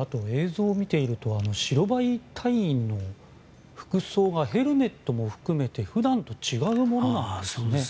あと映像を見ていると白バイ隊員の服装がヘルメットも含めて普段と違うものですね。